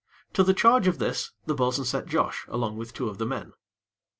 To the charge of this, the bo'sun set Josh, along with two of the men.